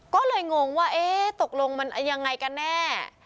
ก็เลยงงว่าเอ๊ะตกลงมันยังไงกันแน่